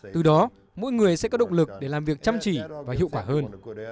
từ đó mỗi người sẽ có động lực để làm việc chăm chỉ và hiệu quả hơn